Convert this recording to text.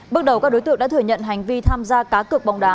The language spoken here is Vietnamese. bước đầu các đối tượng đã thừa nhận hành vi tham gia cá cược bóng đá